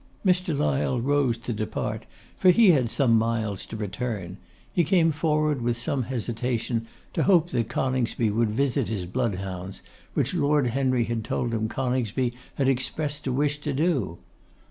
Mr. Lyle rose to depart, for he had some miles to return; he came forward with some hesitation, to hope that Coningsby would visit his bloodhounds, which Lord Henry had told him Coningsby had expressed a wish to do.